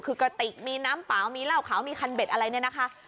คือกระติกมีน้ำเปล่ามีเหล้าขาวมีคันเบ็ดอะไรเนี่ยนะคะ